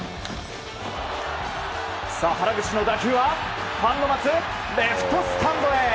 原口の打球はファンの待つレフトスタンドへ。